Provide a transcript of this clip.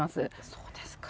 そうですか。